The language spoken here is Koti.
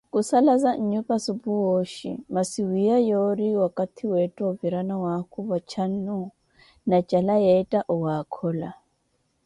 Khusalaza nnyupa supu yoozhi, masi wiiya yoori wakathi yeetta ovira na waakuva cannu, na cala yeetta owaakhola.